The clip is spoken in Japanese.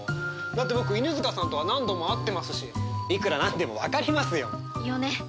だって僕犬塚さんとは何度も会ってますしいくらなんでもわかりますよ。よね。